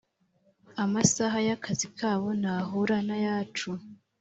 Amasaha y akazi kabo ntahura nayacu